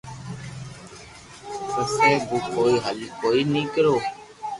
پسي بو ڪوئي ھل ڪوئي نوڪرو